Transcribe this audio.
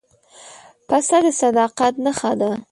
پسه د صداقت نښه ده.